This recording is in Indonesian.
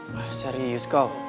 wah serius kau